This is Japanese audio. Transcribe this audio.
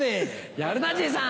やるなじいさん。